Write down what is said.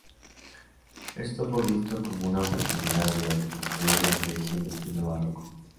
Esto fue visto como una oportunidad de reconstruir la iglesia en estilo barroco.